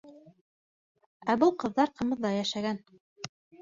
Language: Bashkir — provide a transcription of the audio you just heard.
Ә был ҡыҙҙар ҡымыҙҙа йәшәгән!